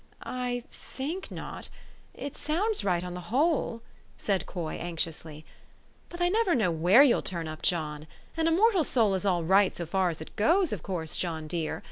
"I th think not. It sounds right on the whole," said Coy anxiously; " but I never know where you'll turn up, John. An immortal soul is all right, so far as it goes, of course, John dear.